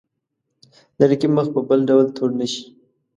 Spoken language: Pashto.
د رقیب مخ په بل ډول تور نه شي.